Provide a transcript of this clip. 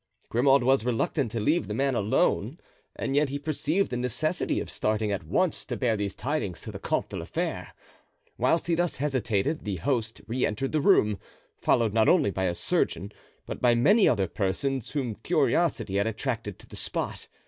Grimaud was reluctant to leave the man alone and yet he perceived the necessity of starting at once to bear these tidings to the Comte de la Fere. Whilst he thus hesitated the host re entered the room, followed not only by a surgeon, but by many other persons, whom curiosity had attracted to the spot.